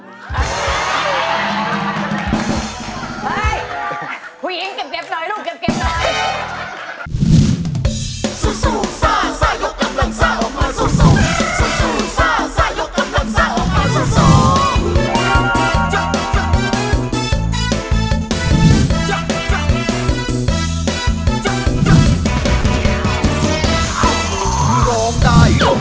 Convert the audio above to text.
ผู้หญิงเก็บหน่อยลูกเก็บหน่อย